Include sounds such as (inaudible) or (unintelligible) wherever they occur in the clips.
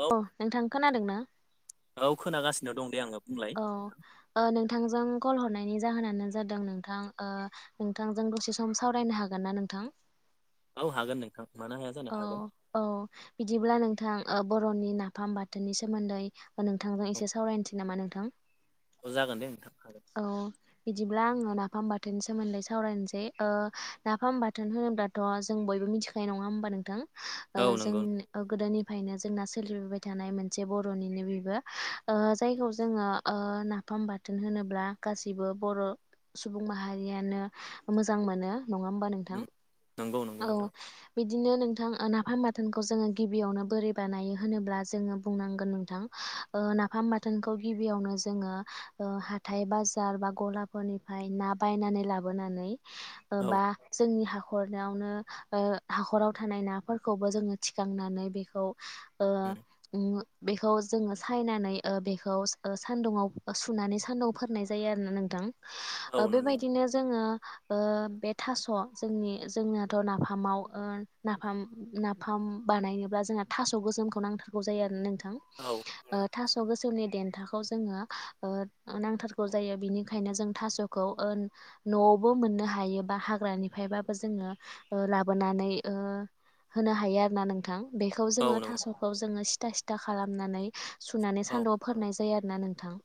औ अ नोंथां खोनादों ना औ खोनागासिनो दं दे आङो बुंलाय औ। नोंथांजों कल हरनायनि जाहोनानो जादों नोंथां ओ नोंथांजों दसे सम सावरायनो हागोन ना नोंथ? औ हागोन नोंथां मानो हाया जानो औ हागोन औ बिदिब्ला नोंथां ओ बर'नि नाफाम बाथोननि सोमोन्दै नोंथांजों औ एसे सावरायनोसै नामा नोंथां? औ जागोन दे नोंथां हागोन औ बिदिब्ला आङो नाफाम बा बाथोननि सोमोन्दै सावरायनोसैओ ओ नाफाम बाथोन होनोब्लाथ' जों बयबो मिथिखायो नङा होमबा नोंथां। औ नंगौ जोंनि गोदोनि ओमफानो जोंना सोलिबोबाय थानाय मोनसे बर'निनो बिबो ओ जायखौ जों जोङो नाफाम बाथोन होनोब्ला गासिबो बर' सुबुं माहारियानो मोजां मोनो नङा हबा नोंथां उम नंगौ नंगौ औ। नोंथां बिदिनो नोंथां नाफाम बाथोनखौ जोङो गिबियावनो बोरै बानायो होनोब्ला जोङो बुंनांगोन नोंथां। नाफाम बाथोनखो खौ गिबियावनो जोङो हाथाइ बाजार बा गलाफोरनिफ्राय ना बायनानै लाबोनानै औ बा जोंनि हा खरावनो ओ हाखराव थानाय नाफोरखौबो जोङो थिखांनानै बेखौ ओ उम ओम बेखौ जोङो सायनानै बे खौ सान्दुुं सुनानै सान्दुंआव फोरानाय जायो आरोना नोंथां। ओ औ नंगौ बेबायदिनो जोङो बे थास' जोंनि जोंनाथ' नाफामाव नाफाम नाफाम बानायनो बा जोंहा थास गोसोमखौ नांथारगौ जायो आरो ना नोंथां औ ओ दास गोसोमनि देथाखौ जोङो ओ नांथारगौ जायो बिनिखायनो जों थास'खौ ओ न' बोबाव मोननो हायोबा हाग्रानिफ्रायबाबो जोङो लाबोनानै ओ होनो हायो आरो ना नोंथां। बेखौ औ जोङो नंगौ थास'खौ जोङो सिथा सिथा खालामनानै सुनानै औ सान्दुं आव फोरनाय जायो आरो ना नोंथां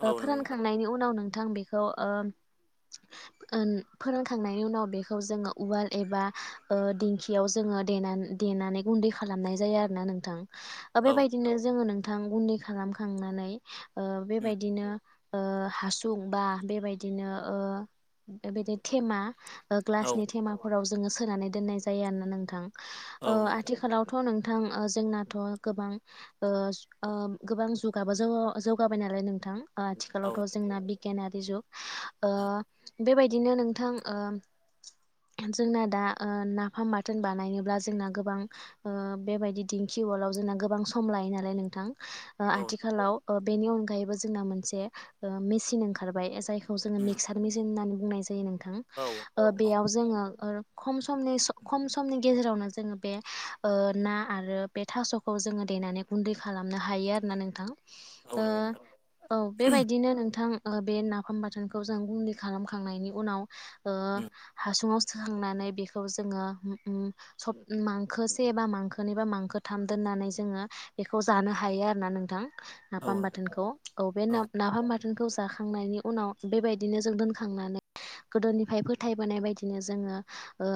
औ नंगौ नोंथां फोरानखांनायनि उनाव नोंथां बेखौ ओ ओम फोरानखांनायनि उनाव बेखौ जोंङो उवाल एबा दिंखियाव जो ङो देना देनानै गुन्दै खालामनाय जायो आरोना नोंथां। औ बेबायदिनो जोंङो नोंथां गुन्दै खालामखांनानै ओ उम बेबायदिनो ओ हासुं बा बेबायदिनो ओ बेबायदि थेमा औ ग्लासनि थेमाफोराव जोंङो सोनानै दोननाय जायो आरोना नोंथां ओ औ नंगौ आथिखालावथ' नोंथ नोंथां जोंनाथ' गोबां ओ सु ओ गोदान जुग दाबो जोंङो जौगाबाय नालाय नोंथां औ आथिखालावथ' नंगौ जोंना बिगियानारि जुग ओ उम बेबायदिनो नोंथां ओ जोंना दा ओ नाफाम बाथोन बानायनोब्ला जोंना गोबां बेबायदिओ दिंखि उवाल आलाव जोंना गोबां सम लायो नालाय नोंथां ओ औ आथिखालाव ओ बेनि अनगायैबो जोंना मोनसेओ मेसिन ओंखारबाय जायखौ जोङो उम मिक्सार मेसिन होननानै बुंनाय जायो थां औ ओ औ बेयाव जोंङो खम समनि खम समनि गेजेरावनो जोंङो बे ओ ना आरो बे थास'खौ जोंङो देनानै गुन्दै खालामनो हायो आरोना नोंथां औ ओ नंगौ नोंथां औ बेबायदिनो नोंथां बे नाफाम बाथोनखौ जों गन्दै खालामखांनायनि उनाव ओ उम हासुङाव सखांनानै बेखौ जोंङो उम सप मांखोसेबा मांखोनै बा मांखोथाम दोन नानै जोंङो बेखौ जानो हायो आरोना नोंथां औ नाफाम बाथोनखौ औ बे ना नाफाम बा थोनखौ जाखांनायनि उनाव बेबायदिनो जों दोनखांनानै गोदोनिफ्राय फोथायबोनाय बायदिनो जोंङो ओ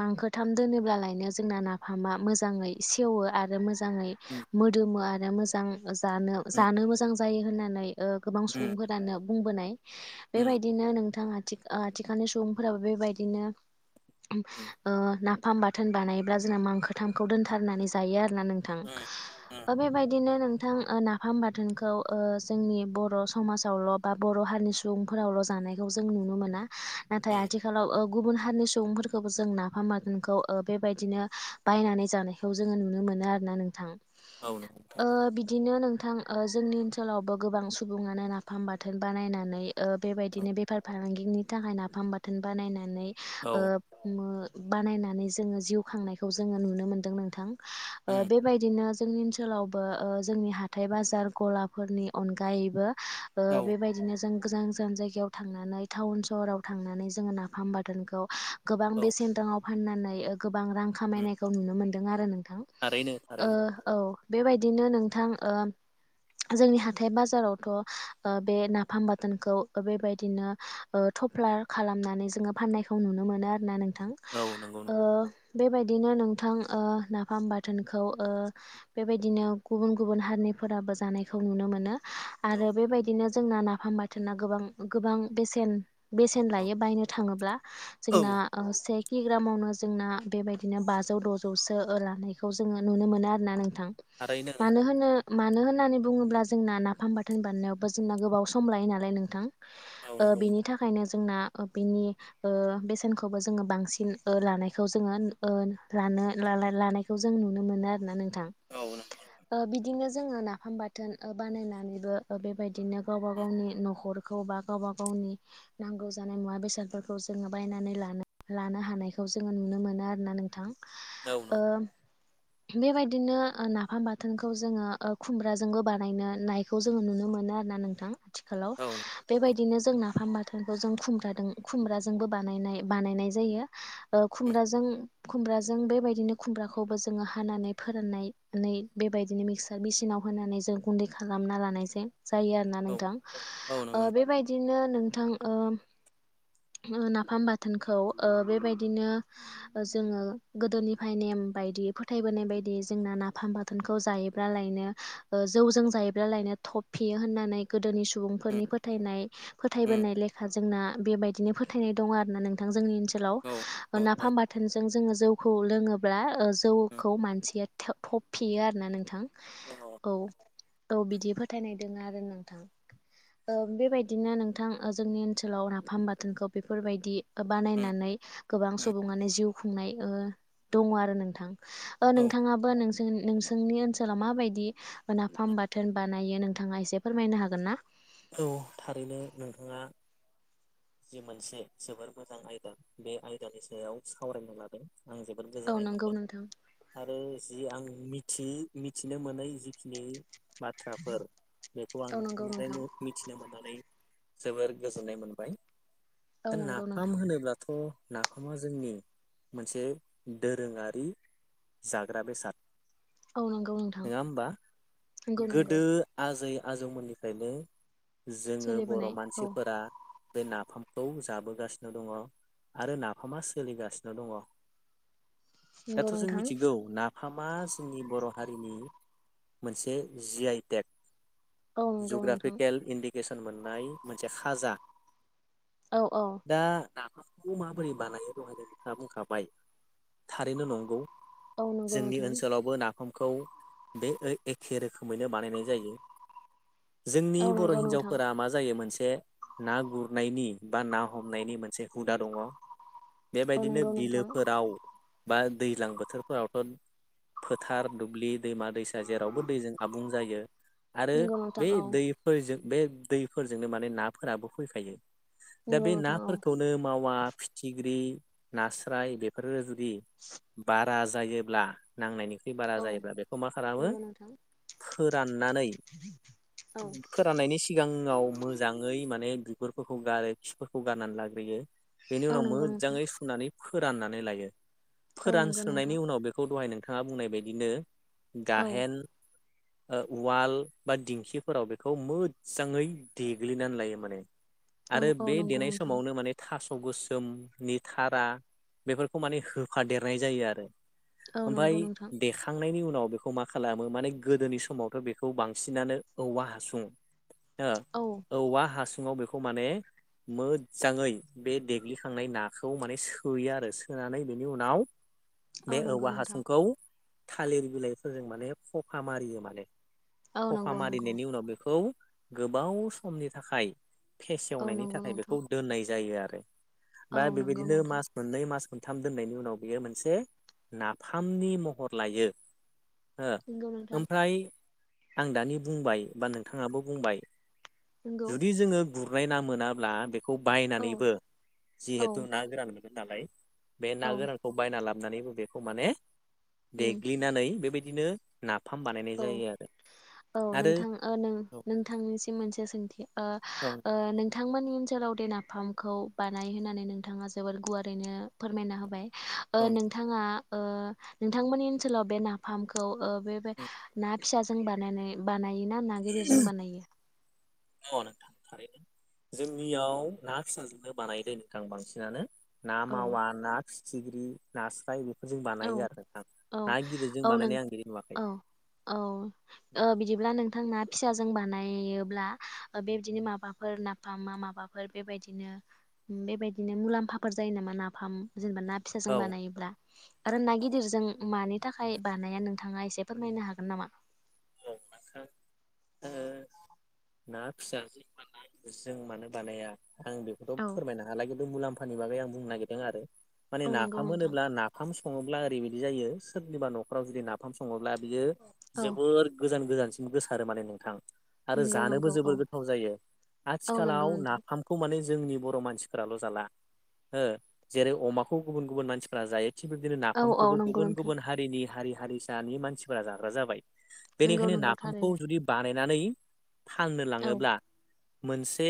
मांखोथाम दोनोब्लालायनो जोंना नाफामा मोजांङै सेवो आरो मो मोजाङै उम मोदोमो आरो मोजां जानो उम जानो मोजां जायो होननानै गोबां उम सुबुंफोरानो बुंबोनाय उम बेबायदिनो नोंथाङा थिख थिखानि सुबुंफोराबो बेबायदिनो उम ओ ना फाम बाथोन बानायब्ला जोंना मांखोथामखौ दोनथारनानै जायो आरो ना नोंथां उम उम बा बेबायदि थां नाफाम बाथोनखौ ओ जोंनि बर' समाजावल' बा बर' हारिनि सुबुंफोरावल' जानाय खौ जों नुनो मोना नाथाय उम आथिखालाव ओ गुबुन हारिनि सुबुंफोरखौबो जों नाफाम बाथोनखौ बेबायदिनो बायनानै जानायखौ जोंङो नुनो मोनो आरोना नोंथां। औ नोंगौ नोंथां ओ बिदिनो नोंथां जोंनि ओनसोलावबो गोबां सुबुङानो नाफाम बाथोन बानायनानै औ बेबायदिनो बेफार फालांगिनि थाखाय नाफाम बाथोन बानायनानै ओ औ मो बानायनानै जोंङो जिउ खांनायखौ जोंङो नुनो मोन्दों नोंथां उम बेबायदिनो जोंनि ओनसोलाव रावबो जोंनि हाथाय बाजार गलाफोरनि अनगायैबो औ ओ बेबायदिनो जों गोजान गोजान जायगायाव थांनानै टाउन सहराव थांनानै जोंङो नाफाम बाथोनखौ गोबां औ बेसेन याव फाननानै गोबां रां उम खामायनायखौ नुनो मोनदों आरो नों थां थारैनो ओ थारैनो औ बेबायदिनो नोंथां ओ जोंनि हाथाय बाजारावथ' ओ बे नाफाम बाथोनखौ बेबायदिनो थफ्लार खालामनानै जोंङो फाननायखौ नुनो मोनो आरो ना नोंथां। औ नंगौ ओ नोंथां बेबायदि बिदिनो नोंथां ओ नाफाम बाथोनखौ ओ बेबायदिनो गुबुन गुबुन हारिनिफोराबो जानायखौ नुनो मोनो औ आरो बेबायदिनो जोंना नाफाम बाथोना गोबां गोबां बेसेन बेसेन औ लायो बायनो थाङोब्ला औ जोंना सेक किग्रामावनो जोंना बेबायदिनो बाजौ द'जौसो लानायखौ जोंङो नुनो मोनो आरोना नों थां थारैनो मानो नोंथां होनो मानो होनो होननानै बुङोब्ला जोंना नाफाम बाथोन बानायनायावबो जोंना गोबाव सम लायो नालाय नोंथां औ ओ नंगौ बिनि थाखायनो जोंना बिनि ओ बेसेनखौबो जोंङो बांसिन ओ लानायखौ जोंङो ओ लानो लानो लानायखौ जों नुनो मोनो आरोना नोंथां। औ नंगौ ओ बिदिनो जोंङो नाफाम बाथोन ओ बानायनानैबो ओ बेबायदिनो गावबा गावनि न'खरखौ बा गावबा गावनि नांगौ जानाय मुवा बेसादफोरखौ जोंङो बायनानै लानो लानो हानायखौ जोंङो नुनो मोनो आरोना नोंथां बेबायदिनो नाफाम बाथोनखौ जोङो खुमब्राजोंबो बानायनो नायखौ जोङो नुनो मोनो आरो ना नोंथां आथिखालाव औ नंगौ औ नंगौ बेबायदि दिनो जोंना नाफाम बाथोनखौ जों खुमब्रादों खुमब्राजोंबो बानायनाय बानायनाय जायो खुमब्रा खुमब्राजों खुमब्राजों बेबायदिनो खुमब्राखौबो जोङो हानानै फोराननानै बेबायदिनो मिक्सार मेचिनाव होनानै जों गुन्दै खालामना लानायसे जायो आरोना औ नोंथां औ नंगौ बेबायदिनो नोंथां नाफाम बाथोनखौ बेबायदिनो जोङो गोदोनिफ्राय नेम बायदि फोथायबोनाय बायदि जोंना नाफामबा बाथोनखौ जायोब्ला लायनो जौजों जायोब्लालायनो थ'फियो होननानै गोदोनि सु उम सुबुंफोरनि फोथायनाय उम फोथायबोनाय लेखा जोंना बेबायदिनो फोथायनाय दङ आरो ना नोंथां जोंनि ओनसोल ओनसोलाव औ औ होना फाम थारैनो बाथोनजों जोङो जौखौ लोङोब्ला उम जौखौ मानसिया थेवथब फेयो आरोना नोंथां औ औ बिदि फोथायनाय दङ आरो नोंथां बेबायदिनो नोंथां जोंनि ओनसोलाव नाफाम बाथोनखौ बेफोरबायदि उम बानायनानै गोबां उम सुबुङानो जिउ खुंनाय दङ आरो नोंथां ओ औ नोंथाङाबो नों नोंसोरनि ओनसोलाव माबायदि उम नाफाम बाथोन बानायो नोंथाङा एसे फोरमायनो हागोन ना औ थारैनो नोंथाङा जि मोनसे जोबोर मोजां आयदा बे आयदानि सायाव सावरायनो लादों आं जोबोद औ गोजोननाय नंगौ मोनदों नोंथां आरो जि आं मिथि मिथिनो मोनै जिखिनि बाथ्राफोर बेखौ आं औ नंगौ नोंथांनिफ्राय नोंथां मिथिनो मोननानै जोबोर गोजोननाय मोनबाय औ दा नंगौ नाफाम नोंथां होनोब्लाथ' नाफामा जोंनि मोनसे दोरोङारि जाग्रा बेसाद औ नंगौ नोंथां नङा होमबा नंगौ नंगौ गोदो आजै आजौमोननिफ्रायनो जोङो बर' सोलिबोनाय औ मानसिफोरा बे नाफामखौ जाबोगासिनो दङ आरो नाफामा सोलिगासिनो दङ नंगौ दाथ' जों नोंथां मिथिगौ नाफामा जोंनि बर' हारिनि मोनसे जि आइ टेक औ नंगौ नोंथां जग्राफिकेल इडिके केसन मोननाय मोनसे खाजा औ औ नाफाखौ माबोरै बानायो दहाय नोंथाङा बुंखाबाय थारैनो नंगौ औ नंगौ जोंनि नोंथां ओनसोलावबो ना खौ बे एखे रोखोमैनो बानायनाय जायो जोंनि औ बर' नंगौ नोंथां हिन्जावफोरा मा जायो मोनसे ना गुर -नायनि बा ना हमनायनि मोनसे हुदा दङ औ बेबायदिनो नंगौ नोंथां बिलोफोराव बा दैज्लां बोथोरफोरावथ' फोथ -थार दुब्लि दैमा दैसा जेरावबो दैजों आबुं जायो आरो नंगौ नोंथां बे औ दैफोरजों बे दैफोरजोंनो माने नाफोराबो फैखायो दा नंगौ बे नोंथां औ नाफोरखौनो मावा फिथिग्रि नास्राय बेफोर बारा जायोब्ला नांनायनि बारा औ जायोब्ला बेखौ मा खालामो नंगौ नोंथां फोराननानै औ फोराननायनि सिगाङाव मोजाङै माने बिगुरफोरखौ गार खिफोरखौ गारनानै लाग्रोयो बेनि औ उनाव नंगौ नोंथां मोजाङै सुनानै फोराननानै लायो औ नंगौ नोंथां फोरानस्रोनायनायनि उनाव बेखौ दहाय नोंथाङा बुंनाय बायदिनो औ गाहेन ओ उवाल बा दिंखिफोराव बेखौ मोजाङै देग्लिनानै लायो माने औ आरो औ बे नंगौ देनाय नोंथां समावनो माने थास' गोसोम निथारा बेफोरखौ माने होफादेरनाय जायो आरो औ ओमफ्राय नंगौ नोंथां देखांनायनि उनाव बेखौ मा खालामो माने गोदोनि समावथ' बेखौ बांसिनानो औवा हासु ओ औ औवा हासुंङाव बेखौ माने मोजाङै बे देग्लिखांनाय नाखौ माने सोयो आरो सोनानै बेनि उनाव औ बे नंगौ औवा नोंथां हासुंखौ थालिर बिलाइफोरजों माने खखा मारियो माने औ खफा नंगौ नंगौ मारिनायनि उनाव बेखौ गोबाव समनि थाखाय औ फेसेवनायनि नंगौ थाखाय बेखौ नोंथां दोननाय जायो आरो औ बा नंगौ बेबायदिनो नोंथां मास मोननै मास मोननथाम दोननायनि उनाव बियो मोनसे नाफामनि महर लायो हो नंगौ नोंथां ओमफ्राय आं दानि बुंबाय बा नोंथाङाबो बुंबाय नंगौ जुदि जोङो गुरनाय ना मोनाब्ला बे खौ औ बायनानैबो औ जिहेथु ना गोरान मोनो नालाय बे ना औ गोरानखौ बायना ला नानैबो बेखौ माने उम देग्लिनानै बेबायदिनो नाफाम बानायनाय औ जायो आरो औ आरो नोंथां ओ नोंथांनिसिम मोनसे सोंथि ओ औ ओ नोंथ थांमोननि ओनसोलाव दे नाफामखौ बानाय होननानै नोंथाङा जोबोर गुवारैनो फोरमायना होबाय ओ औ नोंथाङा ओ नोंथांमोननि ओनसोलाव बे नाफामखौ ओ बे ना फिसाजों बानायनाय बानायो ना ना गिदिरजों बानायो अ नोंथां थारैनो जोंनियाव ना फिसाजोंनो बानायो दै नोंथां बांसिनानो ना औ मावा ना फिथिग्रि नास्राय जों बानायो औ आरो नोंथां औ ना गिदिरजों औ नों बानायनाय आं बिदि नुवाखै औ औ ओ बिदिब्ला नोंथां ना फिसाजों बानायोब्ला बेबायदिनो माबाफोर नाफामा माबाफोर बेबायदिनो बेबायदिनो मुलाम्फाफोर जायो नामा नाफाम जेनेबा ना फिसाजों औ नंगौ बानायोब्ला आरो ना नंगौ गिदिरजों मानि थाखाय बानाया नोंथाङा एसे फोरमायनो हागोन नामा औ ओ ना फिसाजों माने जों मानो बानाया आं बेखौथ' औ फोरमायनो हाला मुलाम्फानि बागै आं बुंनो नागिरदों आरो माने औ नंगौ नाफाम नोंथां। होनोब्ला नाफाम सङोब्ला ओरैबायदि जायो सोरनिबा न'खराव जुदि नाफाम सङोब्ला बियो औ जोबोर गोजान गोजानसिम गोसारो माने नोंथां आरो नंगौ जानोबो नंगौ औ जोबोर गोथाव जायो औ नंगौ आथिखालाव नोंथां नाफामखौ माने जोंनि बर' मानसिफोराल' जाला हो जेरै अमाखौ गुबुन गुबुन मानसिफोरा जायो थिग बिबदिनो औ औ नाफामखौबो नंगौ गुबुन नोंथां गुबुन हारिनि हारि हारिसानि मानसिफोरा जाग्रा जाबाय नंगौ बेनिखायनो नंगौ नाफामखौ थारैनो जुदि बानायनानै फाननो औ लाङोब्ला मोनसे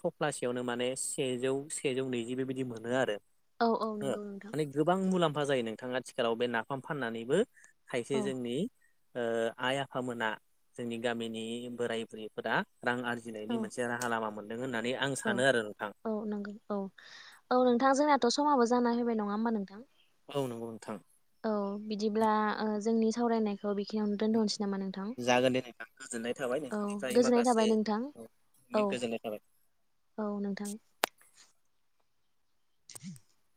थफ्लासेयावनो माने सेजौ सेजौ नैजि बेबायदि मोनो आरो औ औ ओ नंगौ नोंथां माने गोबां मुला म्फा जायो नोंथां आथिखालाव बे नाफाम फाननानैबो खायसे औ जोंनि ओ आइ आफामोना जोंनि गामिनि बोराय बुरैफोरा रां औ आरजिनायनि मोनसे राहा लामामोन औ औ नंगौ औ औ नोंथां जोंनाथ' समाबो जाना होबाय नङा होमबा नोंथां औ नंगौ नोंथां औ बिदिब्ला ओ जोंनि सावरायनायखौ थ' बेखिनियावनो दोनथ'हरनोसै नामा नोंथां जागोन दे नोंथां गोजोननाय थाबाय औ गोजोननाय थाबाय नोंथां औ गोजोनाय थाबाय औ नोंथां (unintelligible)